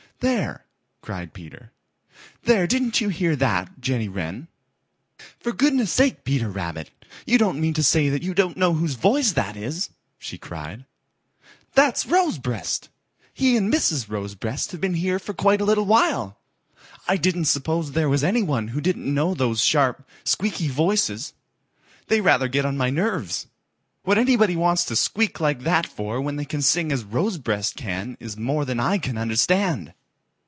"There!" cried Peter. "There! Didn't you hear that, Jenny Wren?" "For goodness' sake, Peter Rabbit, you don't mean to say you don't know whose voice that is," she cried. "That's Rosebreast. He and Mrs. Rosebreast have been here for quite a little while. I didn't suppose there was any one who didn't know those sharp, squeaky voices. They rather get on my nerves. What anybody wants to squeak like that for when they can sing as Rosebreast can, is more than I can understand."